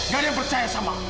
gak ada yang percaya sama